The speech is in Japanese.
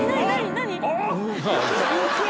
何？